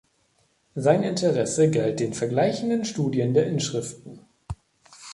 Sein Interesse galt den vergleichenden Studien der Inschriften.